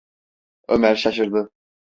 Ömer şaşırdı.